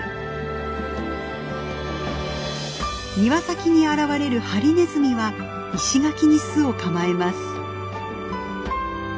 庭先に現れるハリネズミは石垣に巣を構えます。